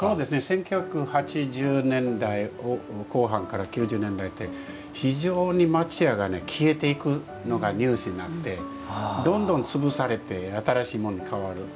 １９８０年代後半から９０年代って非常に町家が消えていくのがニュースになってどんどん潰されて新しいものに変わる。